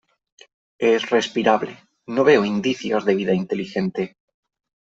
Es respirable . No veo indicios de vida inteligente .